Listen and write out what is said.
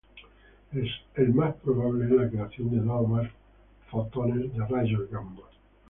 El más probable es la creación de dos o más fotones de rayos gamma.